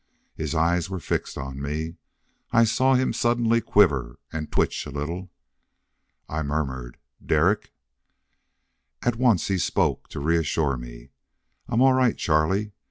His eyes were fixed on me. I saw him suddenly quiver and twitch a little. I murmured, "Derek " At once he spoke, to reassure me. "I'm all right, Charlie.